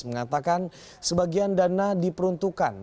mengatakan sebagian dana diperuntukkan